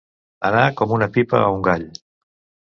Anar com una pipa a un gall.